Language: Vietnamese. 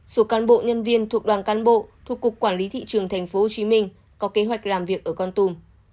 số cán bộ nhân viên thuộc đoàn cán bộ thuộc cục quản lý thị trường tp hcm có kế hoạch làm việc ở con tùm